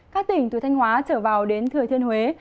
các tỉnh từ thanh hóa trở vào đến thừa thiên huế